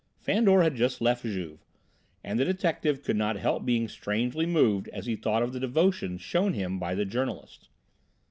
Fandor had just left Juve, and the detective could not help being strangely moved as he thought of the devotion shown him by the journalist.